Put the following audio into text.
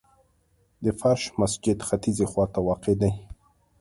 د فرش مسجد ختیځي خواته واقع دی.